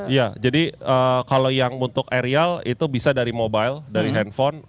iya jadi kalau yang untuk aerial itu bisa dari mobile dari handphone